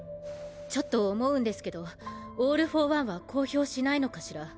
ちょっと思うんですけどオール・フォー・ワンは公表しないのかしら？